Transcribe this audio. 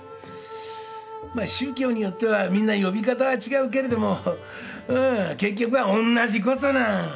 ま宗教によってはみんな呼び方は違うけれどもうん結局はおんなじことなん。